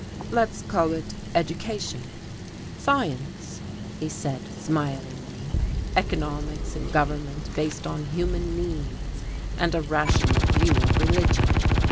"Let's call it education, science," he said smilingly, "economics and government based on human needs and a rational view of religion.